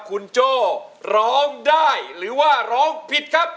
คุณโจ้ร้องได้หรือว่าร้องผิดครับ